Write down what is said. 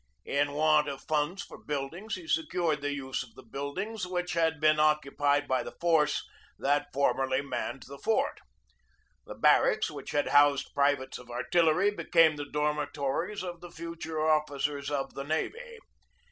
In want of funds for buildings, he secured the use of the build 10 AT ANNAPOLIS n ings which had been occupied by the force that formerly manned the fort. The barracks which had housed privates of artillery became the dormi tories of the future officers of the navy.